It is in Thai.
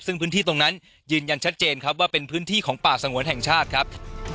ซึ่งพื้นที่ตรงนั้นยืนยันชัดเจนครับว่าเป็นพื้นที่ของป่าสงวนแห่งชาติครับ